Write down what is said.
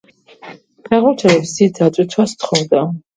ფეხბურთელებს დიდ დატვირთვას თხოვდა.